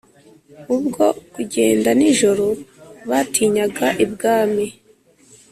ubwo kugenda nijoro batinyaga ibwami.